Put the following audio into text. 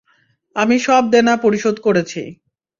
আমি সব দেনা পরিশোধ করেছি।